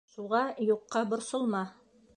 Шуға юҡҡа борсолма.